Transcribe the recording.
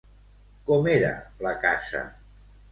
Com era la casa?